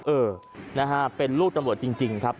เออนะฮะเป็นลูกตำรวจจริงครับ